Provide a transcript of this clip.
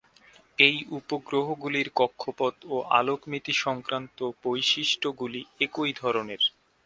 এই উপগ্রহগুলির কক্ষপথ ও আলোকমিতি-সংক্রান্ত বৈশিষ্ট্যগুলি একই ধরনের।